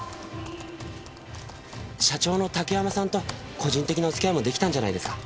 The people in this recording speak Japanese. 社長の竹山さんと個人的なお付き合いもできたんじゃないですか？